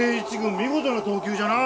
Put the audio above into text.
見事な投球じゃな。